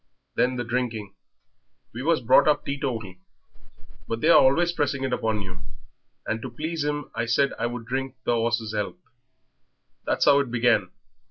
Then the drinking. We was brought up teetotal, but they're always pressing it upon you, and to please him I said I would drink the 'orse's 'ealth. That's how it began....